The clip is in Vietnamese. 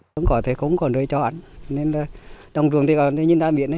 không có thể không có nơi cho ăn nên là đồng trường thì nhìn ra miệng